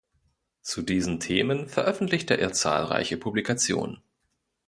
Zu diesen Themen veröffentlichte er zahlreiche Publikationen.